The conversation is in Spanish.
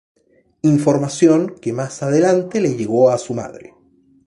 Información que más adelante, le llegó a su madre.